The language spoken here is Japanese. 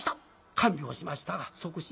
看病しましたが即死。